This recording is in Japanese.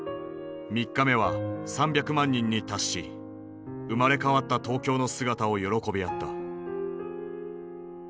３日目は３００万人に達し生まれ変わった東京の姿を喜び合った。